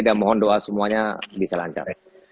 dan mohon doa semuanya bisa lancar